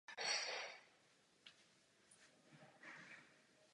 Na Konfederaci byli zastoupeni devíti náčelníky.